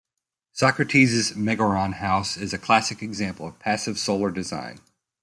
Socrates' Megaron House is a classic example of passive solar design.